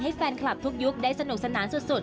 แฟนคลับทุกยุคได้สนุกสนานสุด